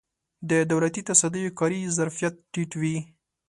د دولتي تصدیو کاري ظرفیت ټیټ وي.